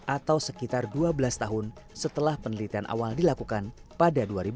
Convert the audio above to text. atau sekitar dua belas tahun setelah penelitian awal dilakukan pada dua ribu dua